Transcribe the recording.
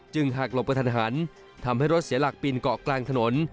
หากหลบกระทันหันทำให้รถเสียหลักปีนเกาะกลางถนน